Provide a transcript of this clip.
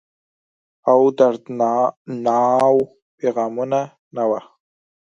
او دردڼاوو پیغامونه، نه وه